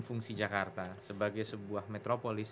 fungsi jakarta sebagai sebuah metropolis